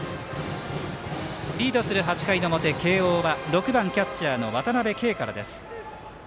リードする８回の表慶応は６番キャッチャー渡辺憩からです。